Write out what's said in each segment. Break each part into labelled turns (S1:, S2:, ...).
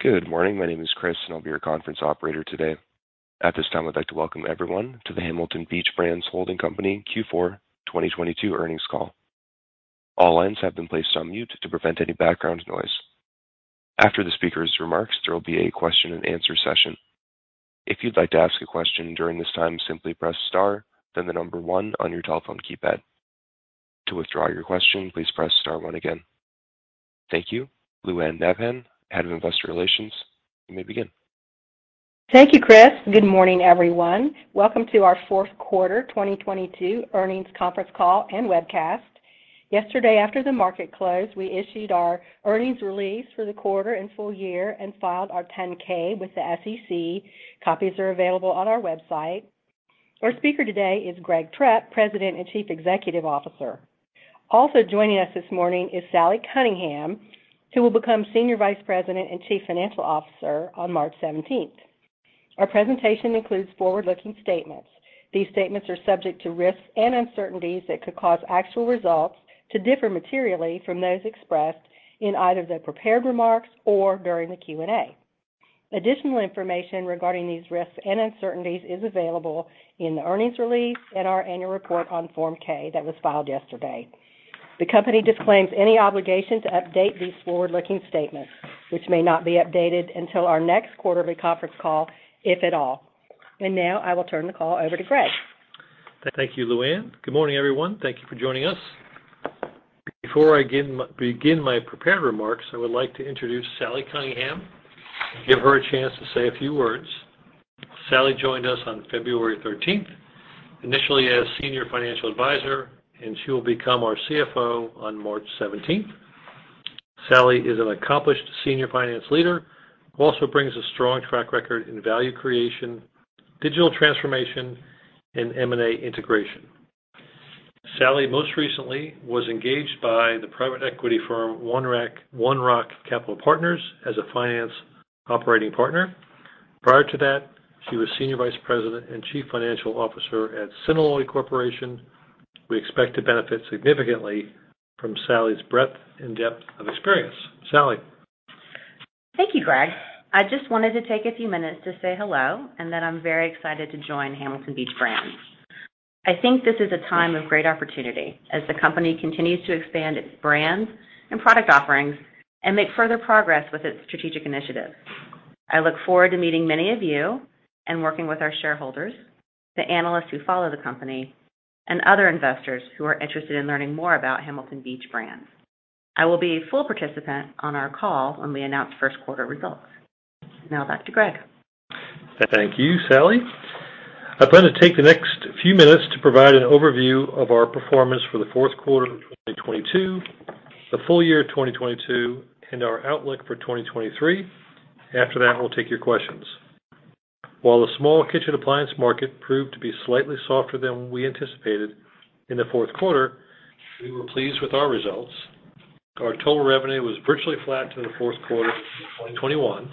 S1: Good morning. My name is Chris. I'll be your conference operator today. At this time, I'd like to welcome everyone to the Hamilton Beach Brands Holding Company Q4 2022 earnings call. All lines have been placed on mute to prevent any background noise. After the speaker's remarks, there will be a question-and-answer session. If you'd like to ask a question during this time, simply press star, then the number one on your telephone keypad. To withdraw your question, please press star one again. Thank you. Lou Anne Nabhan, Head of Investor Relations, you may begin.
S2: Thank you, Chris. Good morning, everyone. Welcome to our fourth quarter 2022 earnings conference call and webcast. Yesterday, after the market closed, we issued our earnings release for the quarter and full year and filed our Form 10-K with the SEC. Copies are available on our website. Our speaker today is Greg Trepp, President and Chief Executive Officer. Also joining us this morning is Sally Cunningham, who will become Senior Vice President and Chief Financial Officer on March 17th. Our presentation includes forward-looking statements. These statements are subject to risks and uncertainties that could cause actual results to differ materially from those expressed in either the prepared remarks or during the Q&A. Additional information regarding these risks and uncertainties is available in the earnings release and our annual report on Form 10-K that was filed yesterday. The company disclaims any obligation to update these forward-looking statements, which may not be updated until our next quarterly conference call, if at all. Now I will turn the call over to Greg.
S3: Thank you, Lou Anne. Good morning, everyone. Thank you for joining us. Before I begin my prepared remarks, I would like to introduce Sally Cunningham and give her a chance to say a few words. Sally joined us on February 13th, initially as Senior Financial Advisor, and she will become our CFO on March 17th. Sally is an accomplished senior finance leader, who also brings a strong track record in value creation, digital transformation, and M&A integration. Sally most recently was engaged by the private equity firm One Rock Capital Partners as a finance operating partner. Prior to that, she was Senior Vice President and Chief Financial Officer at Synalloy Corporation. We expect to benefit significantly from Sally's breadth and depth of experience. Sally.
S4: Thank you, Greg. I just wanted to take a few minutes to say hello and that I'm very excited to join Hamilton Beach Brands. I think this is a time of great opportunity as the company continues to expand its brands and product offerings and make further progress with its strategic initiatives. I look forward to meeting many of you and working with our shareholders, the analysts who follow the company, and other investors who are interested in learning more about Hamilton Beach Brands. I will be a full participant on our call when we announce first quarter results. Now back to Greg.
S3: Thank you, Sally. I plan to take the next few minutes to provide an overview of our performance for the fourth quarter of 2022, the full year of 2022, and our outlook for 2023. After that, we'll take your questions. While the small kitchen appliance market proved to be slightly softer than we anticipated in the fourth quarter, we were pleased with our results. Our total revenue was virtually flat to the fourth quarter of 2021.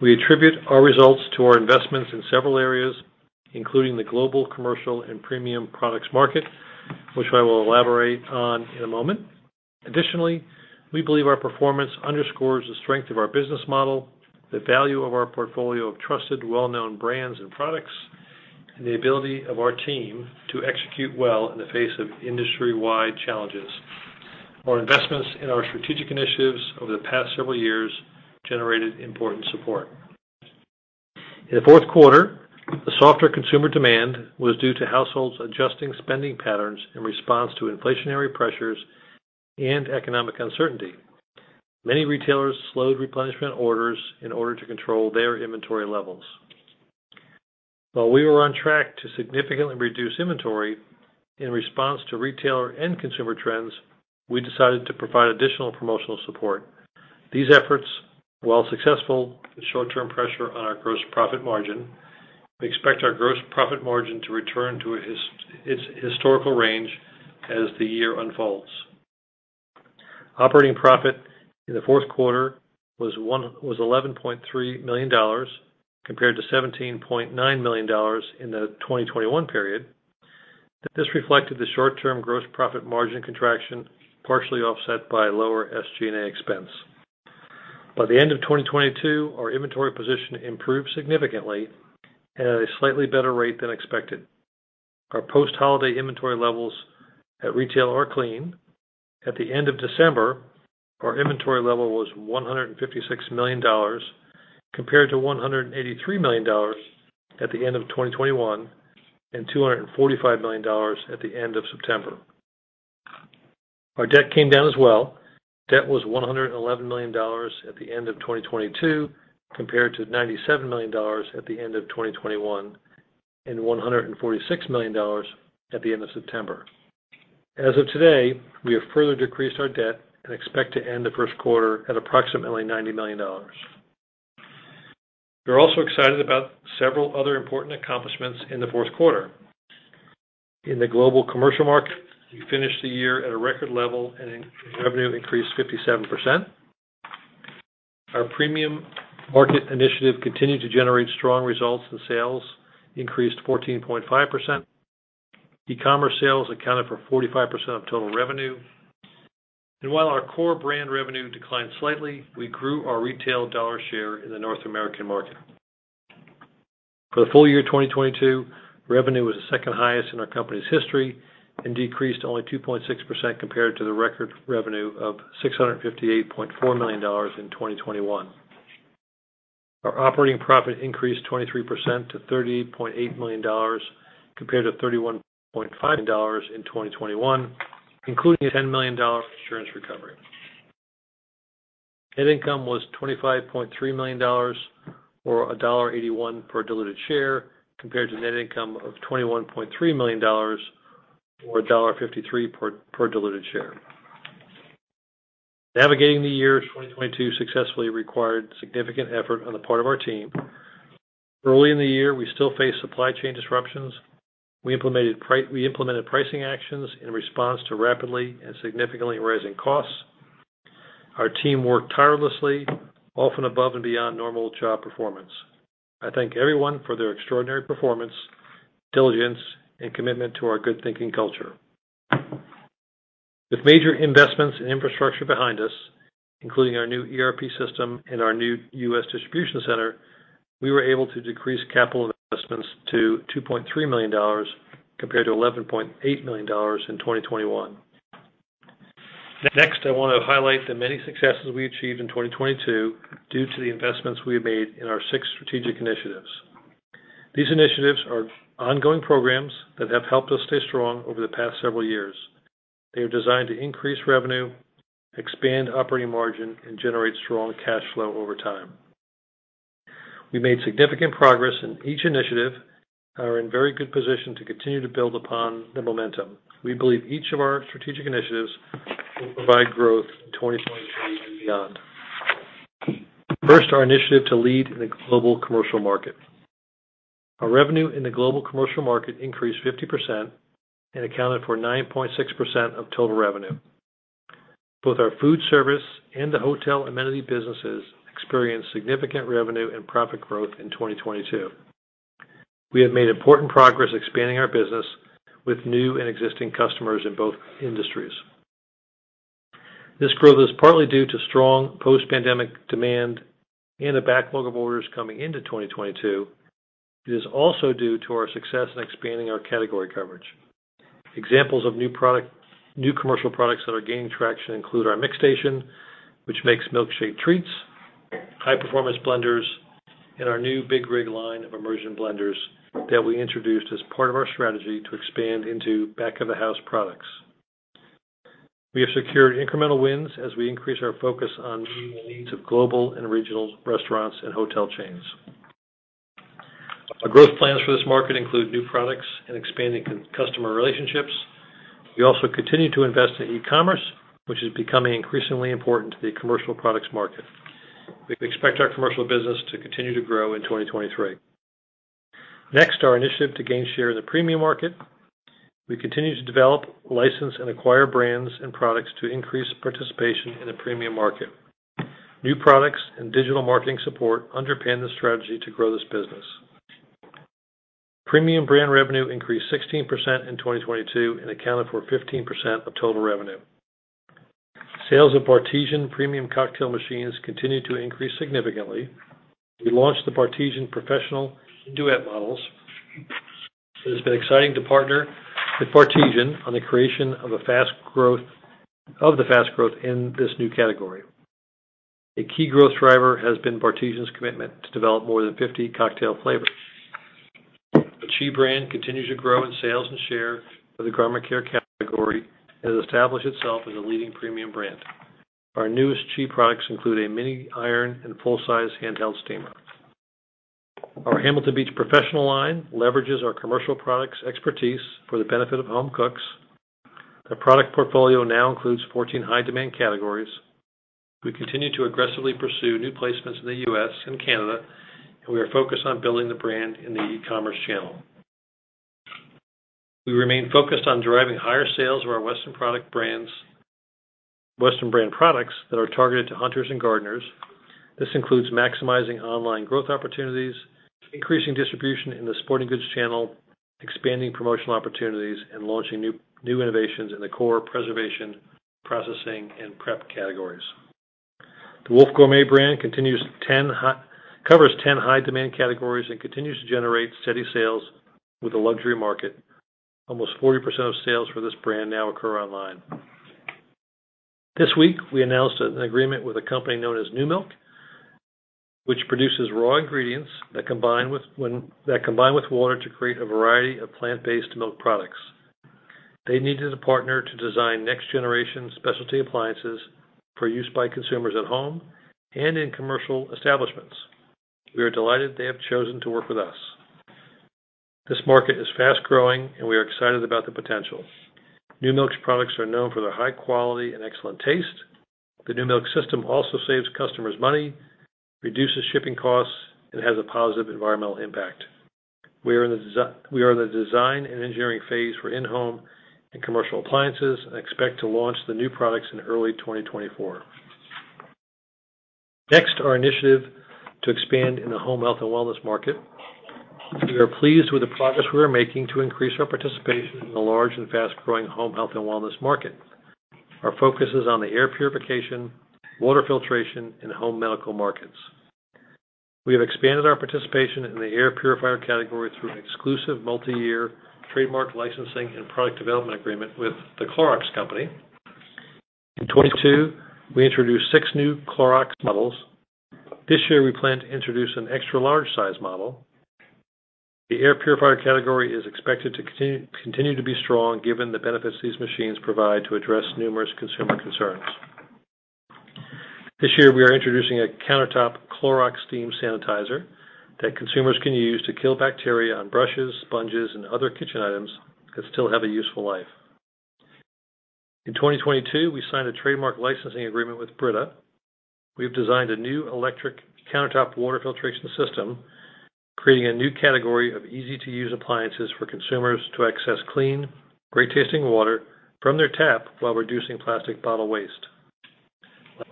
S3: We attribute our results to our investments in several areas, including the global commercial and premium products market, which I will elaborate on in a moment. Additionally, we believe our performance underscores the strength of our business model, the value of our portfolio of trusted, well-known brands and products, and the ability of our team to execute well in the face of industry-wide challenges. Our investments in our strategic initiatives over the past several years generated important support. In the fourth quarter, the softer consumer demand was due to households adjusting spending patterns in response to inflationary pressures and economic uncertainty. Many retailers slowed replenishment orders in order to control their inventory levels. While we were on track to significantly reduce inventory in response to retailer and consumer trends, we decided to provide additional promotional support. These efforts, while successful, put short-term pressure on our gross profit margin. We expect our gross profit margin to return to its historical range as the year unfolds. Operating profit in the fourth quarter was $11.3 million compared to $17.9 million in the 2021 period. This reflected the short-term gross profit margin contraction, partially offset by lower SG&A expense. By the end of 2022, our inventory position improved significantly at a slightly better rate than expected. Our post-holiday inventory levels at retail are clean. At the end of December, our inventory level was $156 million compared to $183 million at the end of 2021, and $245 million at the end of September. Our debt came down as well. Debt was $111 million at the end of 2022, compared to $97 million at the end of 2021, and $146 million at the end of September. As of today, we have further decreased our debt and expect to end the first quarter at approximately $90 million. We're also excited about several other important accomplishments in the fourth quarter. In the global commercial market, we finished the year at a record level, and revenue increased 57%. Our premium market initiative continued to generate strong results, and sales increased 14.5%. E-commerce sales accounted for 45% of total revenue. While our core brand revenue declined slightly, we grew our retail dollar share in the North American market. For the full year 2022, revenue was the second highest in our company's history and decreased only 2.6% compared to the record revenue of $658.4 million in 2021. Our operating profit increased 23% to $38.8 million compared to $31.5 million in 2021, including a $10 million insurance recovery. Net income was $25.3 million, or $1.81 per diluted share, compared to net income of $21.3 million or $1.53 per diluted share. Navigating the year 2022 successfully required significant effort on the part of our team. Early in the year, we still faced supply chain disruptions. We implemented pricing actions in response to rapidly and significantly rising costs. Our team worked tirelessly, often above and beyond normal job performance. I thank everyone for their extraordinary performance, diligence, and commitment to our good thinking culture. With major investments in infrastructure behind us, including our new ERP system and our new U.S. distribution center, we were able to decrease capital investments to $2.3 million compared to $11.8 million in 2021. Next, I wanna highlight the many successes we achieved in 2022 due to the investments we have made in our six strategic initiatives. These initiatives are ongoing programs that have helped us stay strong over the past several years. They are designed to increase revenue, expand operating margin, and generate strong cash flow over time. We made significant progress in each initiative and are in very good position to continue to build upon the momentum. We believe each of our strategic initiatives will provide growth in 2023 and beyond. First, our initiative to lead in the global commercial market. Our revenue in the global commercial market increased 50% and accounted for 9.6% of total revenue. Both our food service and the hotel amenity businesses experienced significant revenue and profit growth in 2022. We have made important progress expanding our business with new and existing customers in both industries. This growth is partly due to strong post-pandemic demand and a backlog of orders coming into 2022. It is also due to our success in expanding our category coverage. Examples of new commercial products that are gaining traction include our MixStation, which makes milkshake treats, high-performance blenders, and our new BigRig line of immersion blenders that we introduced as part of our strategy to expand into back-of-the-house products. We have secured incremental wins as we increase our focus on meeting the needs of global and regional restaurants and hotel chains. Our growth plans for this market include new products and expanding customer relationships. We also continue to invest in e-commerce, which is becoming increasingly important to the commercial products market. We expect our commercial business to continue to grow in 2023. Next, our initiative to gain share in the premium market. We continue to develop, license, and acquire brands and products to increase participation in the premium market. New products and digital marketing support underpin the strategy to grow this business. Premium brand revenue increased 16% in 2022 and accounted for 15% of total revenue. Sales of Bartesian premium cocktail machines continued to increase significantly. We launched the Bartesian Professional Duet models. It has been exciting to partner with Bartesian on the creation of the fast growth in this new category. A key growth driver has been Bartesian's commitment to develop more than 50 cocktail flavors. The CHI brand continues to grow in sales and share for the garment care category and has established itself as a leading premium brand. Our newest CHI products include a mini iron and full-size handheld steamer. Our Hamilton Beach Professional line leverages our commercial products expertise for the benefit of home cooks. Their product portfolio now includes 14 high-demand categories. We continue to aggressively pursue new placements in the U.S. and Canada, and we are focused on building the brand in the e-commerce channel. We remain focused on driving higher sales of our Weston brand products that are targeted to hunters and gardeners. This includes maximizing online growth opportunities, increasing distribution in the sporting goods channel, expanding promotional opportunities, and launching new innovations in the core preservation, processing, and prep categories. The Wolf Gourmet brand covers 10 high-demand categories and continues to generate steady sales with the luxury market. Almost 40% of sales for this brand now occur online. This week, we announced an agreement with a company known as Numilk, which produces raw ingredients that combine with water to create a variety of plant-based milk products. They needed a partner to design next-generation specialty appliances for use by consumers at home and in commercial establishments. We are delighted they have chosen to work with us. This market is fast-growing, and we are excited about the potential. Numilk's products are known for their high quality and excellent taste. The Numilk system also saves customers money, reduces shipping costs, and has a positive environmental impact. We are in the design and engineering phase for in-home and commercial appliances and expect to launch the new products in early 2024. Our initiative to expand in the home health and wellness market. We are pleased with the progress we are making to increase our participation in the large and fast-growing home health and wellness market. Our focus is on the air purification, water filtration, and home medical markets. We have expanded our participation in the air purifier category through an exclusive multiyear trademark licensing and product development agreement with The Clorox Company. In 2022, we introduced six new Clorox models. This year, we plan to introduce an extra large size model. The air purifier category is expected to continue to be strong given the benefits these machines provide to address numero U.S. consumer concerns. This year, we are introducing a countertop Clorox steam sanitizer that consumers can use to kill bacteria on brushes, sponges, and other kitchen items that still have a useful life. In 2022, we signed a trademark licensing agreement with Brita. We have designed a new electric countertop water filtration system, creating a new category of easy-to-use appliances for consumers to access clean, great-tasting water from their tap while reducing plastic bottle waste.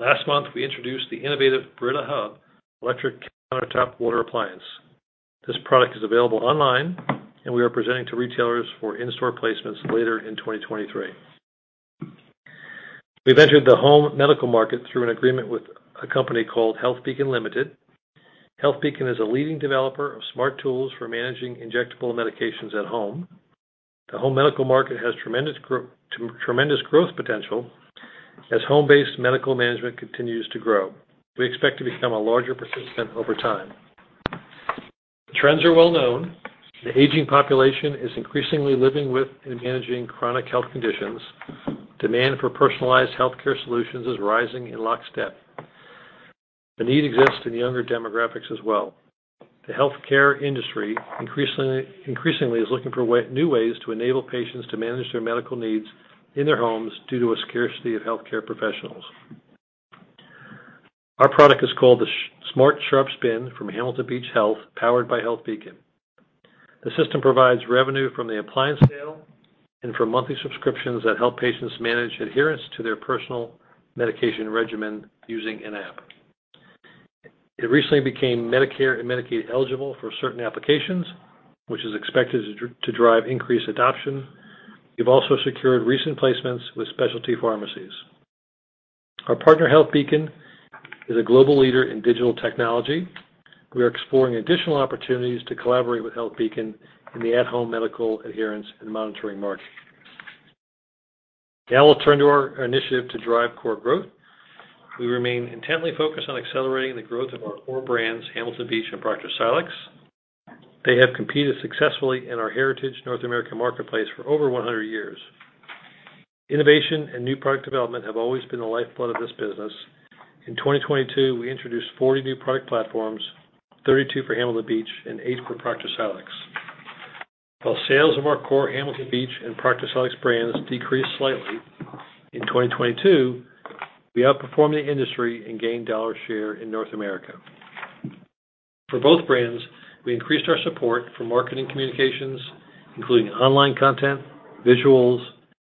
S3: Last month, we introduced the innovative Brita Hub electric countertop water appliance. This product is available online. We are presenting to retailers for in-store placements later in 2023. We've entered the home medical market through an agreement with a company called HealthBeacon Limited. HealthBeacon is a leading developer of smart tools for managing injectable medications at home. The home medical market has tremendous growth potential as home-based medical management continues to grow. We expect to become a larger participant over time. The trends are well known. The aging population is increasingly living with and managing chronic health conditions. Demand for personalized healthcare solutions is rising in lockstep. The need exists in younger demographics as well. The healthcare industry increasingly is looking for new ways to enable patients to manage their medical needs in their homes due to a scarcity of healthcare professionals. Our product is called the Smart Sharps Bin from Hamilton Beach Health, powered by HealthBeacon. The system provides revenue from the appliance sale and from monthly subscriptions that help patients manage adherence to their personal medication regimen using an app. It recently became Medicare and Medicaid eligible for certain applications, which is expected to drive increased adoption. We've also secured recent placements with specialty pharmacies. Our partner, HealthBeacon, is a global leader in digital technology. We are exploring additional opportunities to collaborate with HealthBeacon in the at-home medical adherence and monitoring market. I'll turn to our initiative to drive core growth. We remain intently focused on accelerating the growth of our core brands, Hamilton Beach and ProctorSilex. They have competed successfully in our heritage North America marketplace for over 100 years. Innovation and new product development have always been the lifeblood of this business. In 2022, we introduced 40 new product platforms, 32 for Hamilton Beach and eight for ProctorSilex. While sales of our core Hamilton Beach and ProctorSilex brands decreased slightly, in 2022, we outperformed the industry and gained dollar share in North America. For both brands, we increased our support for marketing communications, including online content, visuals,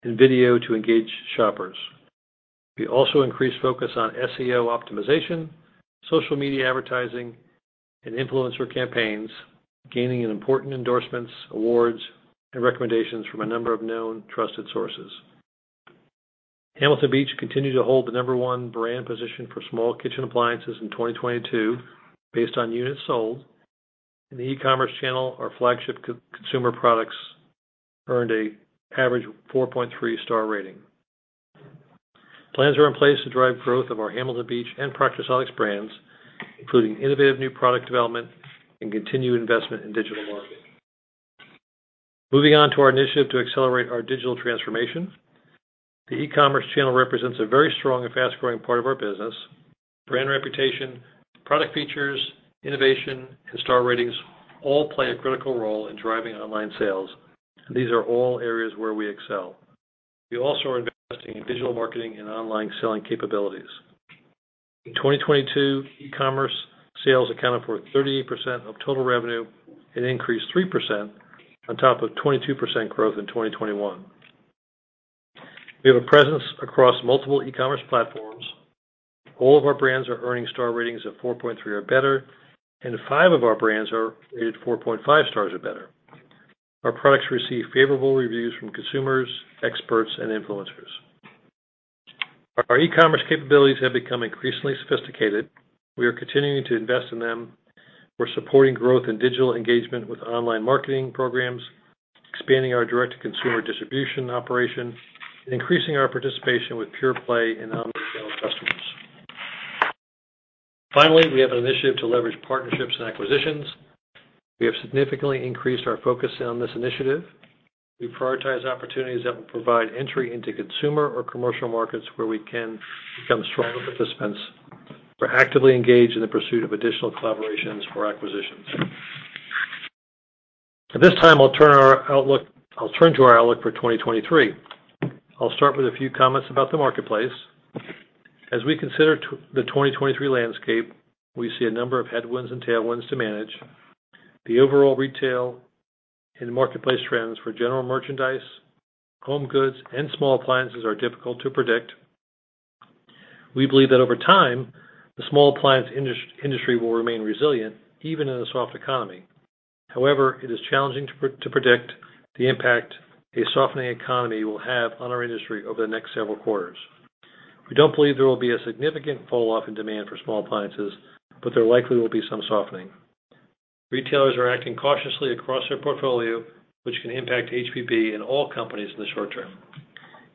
S3: and video to engage shoppers. We also increased focus on SEO optimization, social media advertising, and influencer campaigns, gaining important endorsements, awards, and recommendations from a number of known trusted sources. Hamilton Beach continued to hold the number one brand position for small kitchen appliances in 2022 based on units sold. In the e-commerce channel, our flagship co- consumer products earned a average 4.3 star rating. Plans are in place to drive growth of our Hamilton Beach and ProctorSilex brands, including innovative new product development and continued investment in digital marketing. Moving on to our initiative to accelerate our digital transformation. The e-commerce channel represents a very strong and fast-growing part of our business. Brand reputation, product features, innovation, and star ratings all play a critical role in driving online sales. These are all areas where we excel. We also are investing in digital marketing and online selling capabilities. In 2022, e-commerce sales accounted for 38% of total revenue and increased 3% on top of 22% growth in 2021. We have a presence across multiple e-commerce platforms. All of our brands are earning star ratings of 4.3 or better, and five of our brands are at 4.5 stars or better. Our products receive favorable reviews from consumers, experts, and influencers. Our e-commerce capabilities have become increasingly sophisticated. We are continuing to invest in them. We're supporting growth in digital engagement with online marketing programs, expanding our direct-to-consumer distribution operation, and increasing our participation with pure play and omni-channel customers. Finally, we have an initiative to leverage partnerships and acquisitions. We have significantly increased our focus on this initiative. We prioritize opportunities that will provide entry into consumer or commercial markets where we can become stronger participants. We're actively engaged in the pursuit of additional collaborations for acquisitions. At this time, I'll turn to our outlook for 2023. I'll start with a few comments about the marketplace. As we consider the 2023 landscape, we see a number of headwinds and tailwinds to manage. The overall retail in the marketplace trends for general merchandise, home goods and small appliances are difficult to predict. We believe that over time, the small appliance industry will remain resilient, even in a soft economy. However, it is challenging to predict the impact a softening economy will have on our industry over the next several quarters. We don't believe there will be a significant falloff in demand for small appliances, but there likely will be some softening. Retailers are acting cautiously across their portfolio, which can impact HBB and all companies in the short term.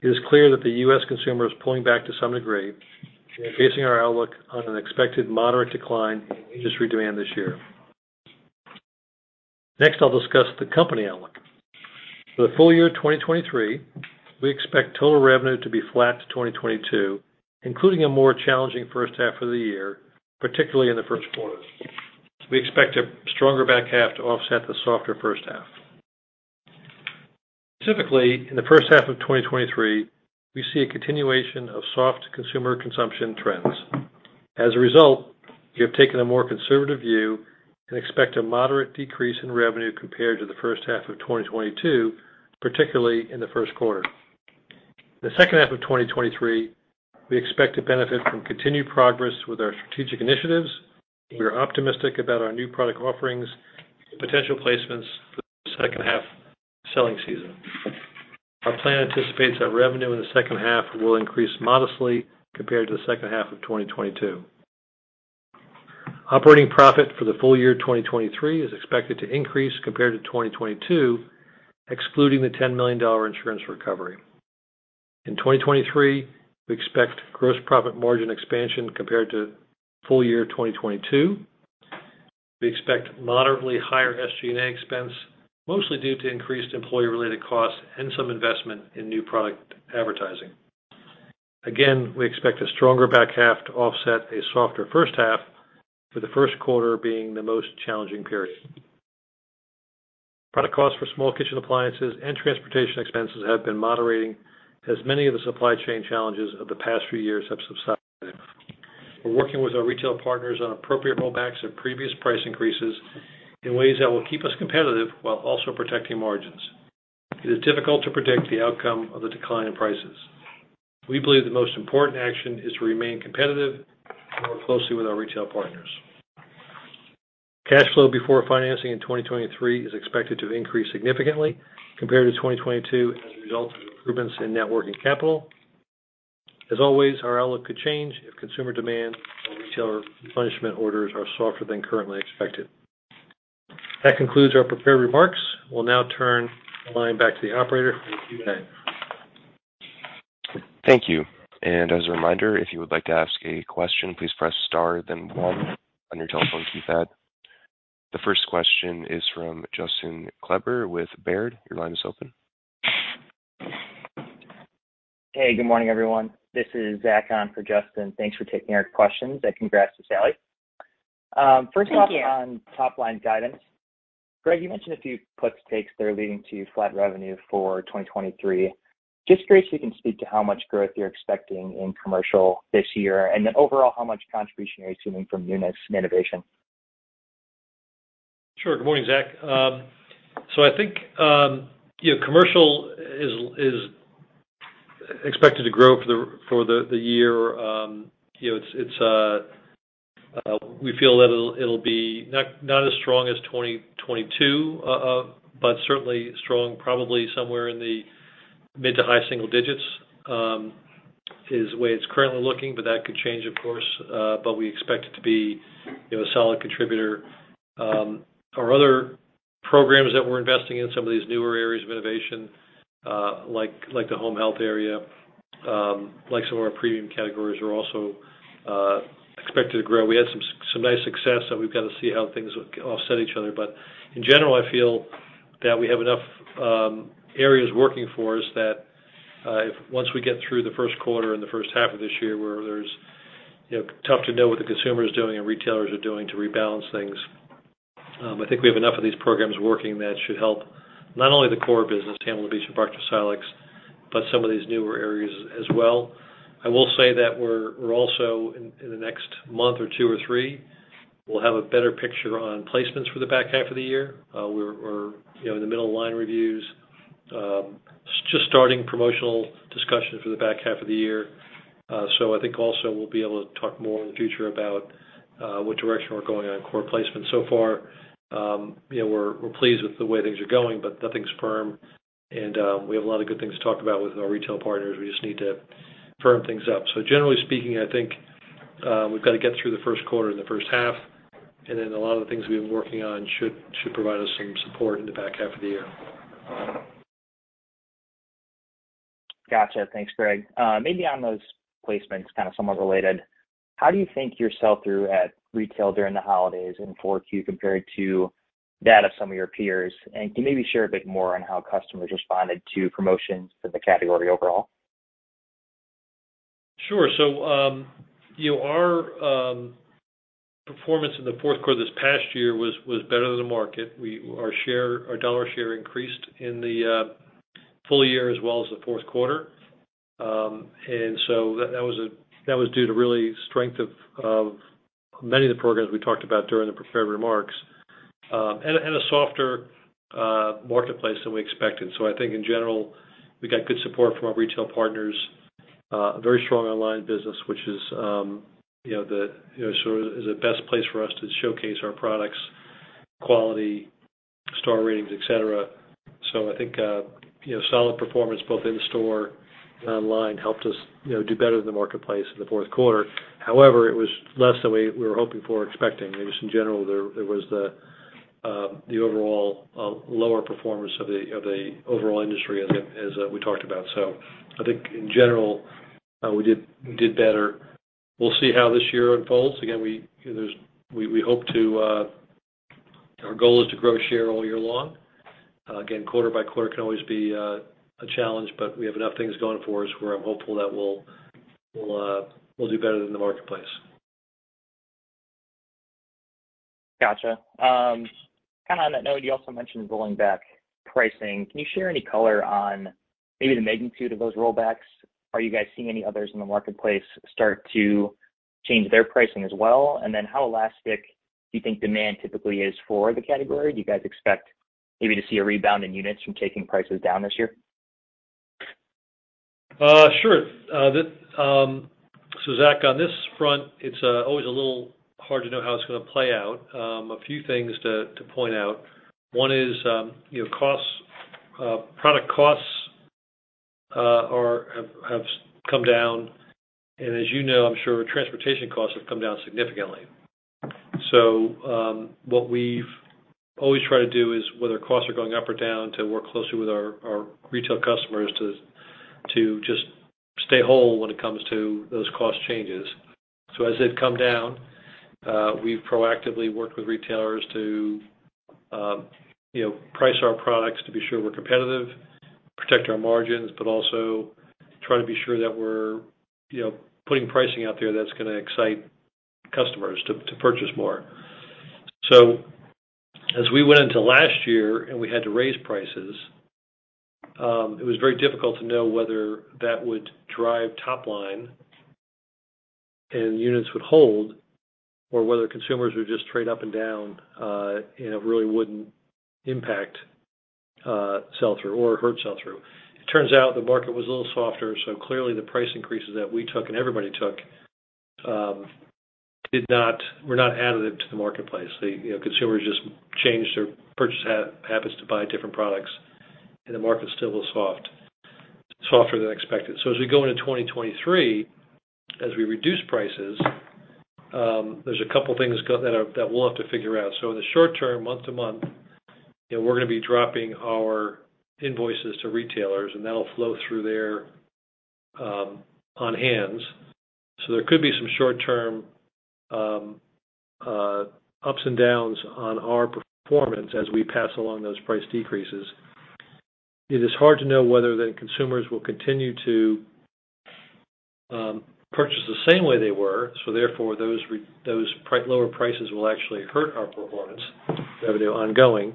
S3: It is clear that the U.S. consumer is pulling back to some degree, and we're basing our outlook on an expected moderate decline in industry demand this year. I'll discuss the company outlook. For the full year 2023, we expect total revenue to be flat to 2022, including a more challenging first half of the year, particularly in the first quarter. We expect a stronger back half to offset the softer first half. Specifically, in the first half of 2023, we see a continuation of soft consumer consumption trends. As a result, we have taken a more conservative view and expect a moderate decrease in revenue compared to the first half of 2022, particularly in the first quarter. The second half of 2023, we expect to benefit from continued progress with our strategic initiatives. We are optimistic about our new product offerings and potential placements for the second half selling season. Our plan anticipates that revenue in the second half will increase modestly compared to the second half of 2022. Operating profit for the full year 2023 is expected to increase compared to 2022, excluding the $10 million insurance recovery. In 2023, we expect gross profit margin expansion compared to full year 2022. We expect moderately higher SG&A expense, mostly due to increased employee-related costs and some investment in new product advertising. Again, we expect a stronger back half to offset a softer first half, with the first quarter being the most challenging period. Product costs for small kitchen appliances and transportation expenses have been moderating as many of the supply chain challenges of the past few years have subsided. We're working with our retail partners on appropriate rollbacks of previous price increases in ways that will keep us competitive while also protecting margins. It is difficult to predict the outcome of the decline in prices. We believe the most important action is to remain competitive and work closely with our retail partners. Cash flow before financing in 2023 is expected to increase significantly compared to 2022 as a result of improvements in net working capital. As always, our outlook could change if consumer demand or retailer replenishment orders are softer than currently expected. That concludes our prepared remarks. We'll now turn the line back to the operator for the Q&A.
S1: Thank you. As a reminder, if you would like to ask a question, please press star then one on your telephone keypad. The first question is from Justin Kleber with Baird. Your line is open.
S5: Hey, good morning, everyone. This is Zach on for Justin. Thanks for taking our questions. Congrats to Sally.
S4: Thank you.
S5: First off, on top-line guidance. Greg, you mentioned a few puts and takes that are leading to flat revenue for 2023. Just curious if you can speak to how much growth you're expecting in commercial this year, and then overall, how much contribution are you assuming from newness and innovation?
S3: Sure. Good morning, Zach. I think, you know, commercial is expected to grow for the year. You know, it's, we feel that it'll be not as strong as 2022, but certainly strong probably somewhere in the mid to high single digits, is the way it's currently looking, but that could change, of course. We expect it to be, you know, a solid contributor. Our other programs that we're investing in, some of these newer areas of innovation, like the home health area, like some of our premium categories are also expected to grow. We had some nice success, and we've got to see how things offset each other. In general, I feel that we have enough areas working for us that once we get through the first quarter and the first half of this year, where there's, you know, tough to know what the consumer is doing and retailers are doing to rebalance things. I think we have enough of these programs working that should help not only the core business, Hamilton Beach and ProctorSilex, but some of these newer areas as well. I will say that we're also in the next month or two or three, we'll have a better picture on placements for the back half of the year. We're, you know, in the middle of line reviews, just starting promotional discussions for the back half of the year. I think also we'll be able to talk more in the future about what direction we're going on core placements. Far, you know, we're pleased with the way things are going, but nothing's firm and we have a lot of good things to talk about with our retail partners. We just need to firm things up. Generally speaking, I think we've got to get through the first quarter and the first half, and then a lot of the things we've been working on should provide us some support in the back half of the year.
S5: Gotcha. Thanks, Greg. Maybe on those placements, kind of somewhat related, how do you think your sell-through at retail during the holidays in 4Q compared to that of some of your peers? Can you maybe share a bit more on how customers responded to promotions for the category overall?
S3: Sure. You know, our performance in the fourth quarter this past year was better than the market. Our share, our dollar share increased in the full year as well as the fourth quarter. That was due to really strength of many of the programs we talked about during the prepared remarks. A softer marketplace than we expected. I think in general, we got good support from our retail partners. A very strong online business, which is, you know, the, you know, sort of is the best place for us to showcase our products, quality, star ratings, et cetera. I think, you know, solid performance both in store and online helped us, you know, do better than the marketplace in the fourth quarter. It was less than we were hoping for, expecting. I guess in general, there was the overall lower performance of the overall industry as we talked about. I think in general, we did better. We'll see how this year unfolds. We hope to. Our goal is to grow share all year long. Quarter-by-quarter can always be a challenge, but we have enough things going for us where I'm hopeful that we'll do better than the marketplace.
S5: Gotcha. Kinda on that note, you also mentioned rolling back pricing. Can you share any color on maybe the magnitude of those rollbacks? Are you guys seeing any others in the marketplace start to change their pricing as well? How elastic do you think demand typically is for the category? Do you guys expect maybe to see a rebound in units from taking prices down this year?
S3: Sure. Zach, on this front, it's always a little hard to know how it's gonna play out. A few things to point out. One is, you know, costs, product costs have come down. As you know I'm sure, transportation costs have come down significantly. What we've always tried to do is whether costs are going up or down, to work closely with our retail customers to just stay whole when it comes to those cost changes. As they've come down, we've proactively worked with retailers to, you know, price our products to be sure we're competitive, protect our margins, but also try to be sure that we're, you know, putting pricing out there that's gonna excite customers to purchase more. As we went into last year and we had to raise prices, it was very difficult to know whether that would drive top line and units would hold, or whether consumers would just trade up and down, and it really wouldn't impact sell-through or hurt sell-through. It turns out the market was a little softer, so clearly the price increases that we took and everybody took, were not additive to the marketplace. The, you know, consumers just changed their purchase habits to buy different products, and the market's still a little soft, softer than expected. As we go into 2023, as we reduce prices, there's two things that we'll have to figure out. In the short-term, month-to-month, you know, we're gonna be dropping our invoices to retailers, and that'll flow through their on hands. There could be some short-term ups and downs on our performance as we pass along those price decreases. It is hard to know whether the consumers will continue to purchase the same way they were, so therefore those lower prices will actually hurt our performance revenue ongoing.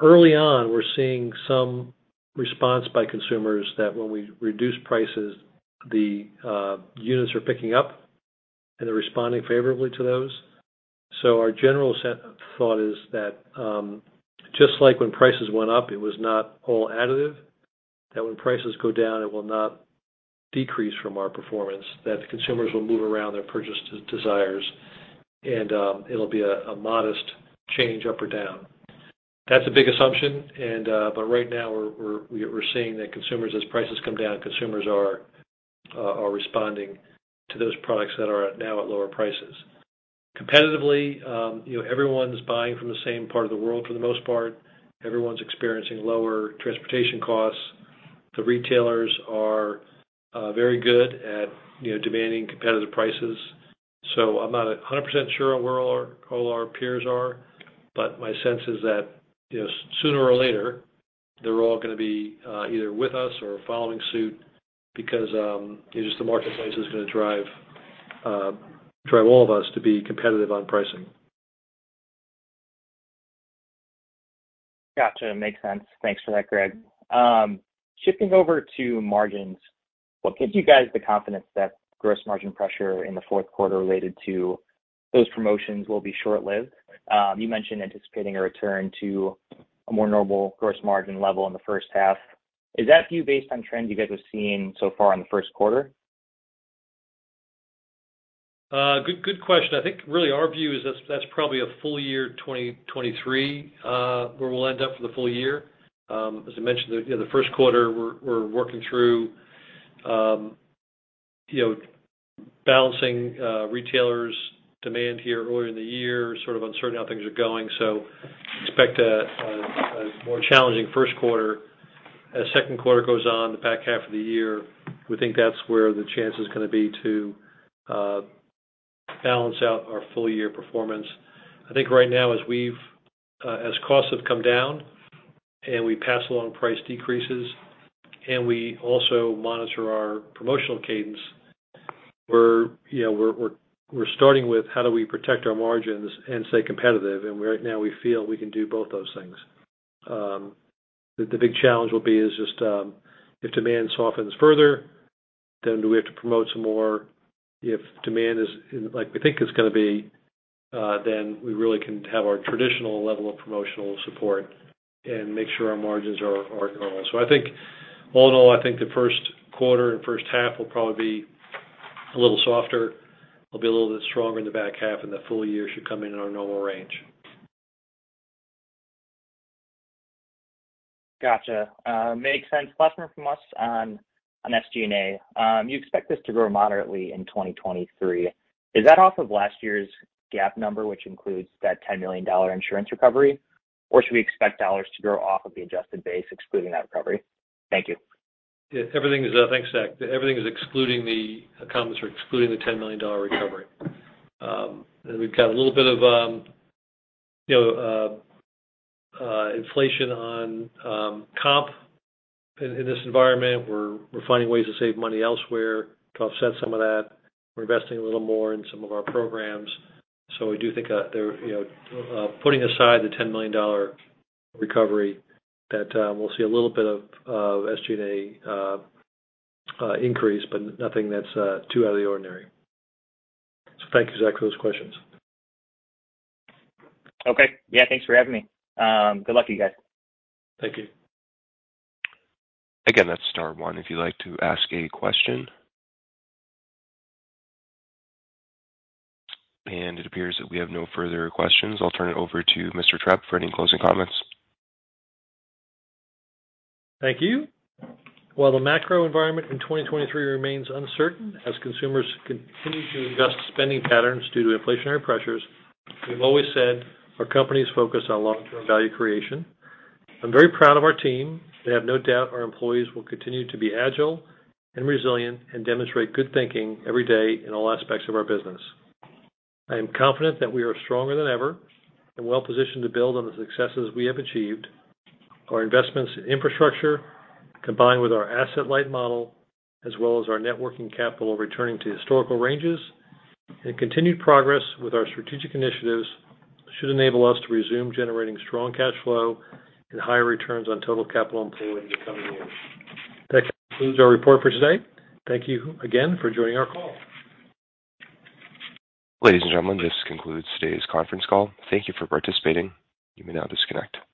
S3: Early on, we're seeing some response by consumers that when we reduce prices, the units are picking up and they're responding favorably to those. Our general set of thought is that, just like when prices went up, it was not all additive, that when prices go down, it will not decrease from our performance, that the consumers will move around their purchase desires and, it'll be a modest change up or down. That's a big assumption and, right now we're seeing that consumers, as prices come down, consumers are responding to those products that are now at lower prices. Competitively, you know, everyone's buying from the same part of the world for the most part. Everyone's experiencing lower transportation costs. The retailers are very good at, you know, demanding competitive prices. I'm not 100% sure where all our peers are, but my sense is that, you know, sooner or later, they're all gonna be either with us or following suit because, you know, just the marketplace is gonna drive drive all of us to be competitive on pricing.
S5: Gotcha. Makes sense. Thanks for that, Greg. Shifting over to margins, what gives you guys the confidence that gross margin pressure in the fourth quarter related to those promotions will be short-lived? You mentioned anticipating a return to a more normal gross margin level in the first half. Is that view based on trends you guys have seen so far in the first quarter?
S3: Good question. I think really our view is that's probably a full year 2023, where we'll end up for the full year. As I mentioned, the first quarter we're working through balancing retailers' demand here earlier in the year, sort of uncertain how things are going. Expect a more challenging first quarter. As second quarter goes on, the back half of the year, we think that's where the chance is gonna be to balance out our full year performance. I think right now as we've as costs have come down and we pass along price decreases and we also monitor our promotional cadence. We're starting with how do we protect our margins and stay competitive. Right now we feel we can do both those things. The big challenge will be is just, if demand softens further, then do we have to promote some more? If demand is like we think it's gonna be, then we really can have our traditional level of promotional support and make sure our margins are normal. I think all in all, I think the first quarter and first half will probably be a little softer. It'll be a little bit stronger in the back half, and the full year should come in in our normal range.
S5: Gotcha. Makes sense. Last one from us on SG&A. You expect this to grow moderately in 2023. Is that off of last year's GAAP number, which includes that $10 million insurance recovery? Or should we expect dollars to grow off of the adjusted base excluding that recovery? Thank you.
S3: Yeah. Everything is thanks, Zach. Everything is excluding the $10 million recovery. We've got a little bit of, you know, inflation on comp in this environment. We're finding ways to save money elsewhere to offset some of that. We're investing a little more in some of our programs. We do think that there, you know, putting aside the $10 million recovery, that, we'll see a little bit of SG&A increase, but nothing that's too out of the ordinary. Thank you, Zach, for those questions.
S5: Okay. Yeah. Thanks for having me. Good luck to you guys.
S3: Thank you.
S1: Again, that's star one if you'd like to ask a question. It appears that we have no further questions. I'll turn it over to Mr. Trepp for any closing comments.
S3: Thank you. While the macro environment in 2023 remains uncertain as consumers continue to adjust spending patterns due to inflationary pressures, we've always said our company's focused on long-term value creation. I'm very proud of our team. I have no doubt our employees will continue to be agile and resilient and demonstrate good thinking every day in all aspects of our business. I am confident that we are stronger than ever and well-positioned to build on the successes we have achieved. Our investments in infrastructure, combined with our asset-light model as well as our net working capital returning to historical ranges and continued progress with our strategic initiatives, should enable us to resume generating strong cash flow and higher returns on total capital employed in the coming years. That concludes our report for today. Thank you again for joining our call.
S1: Ladies and gentlemen, this concludes today's conference call. Thank you for participating. You may now disconnect.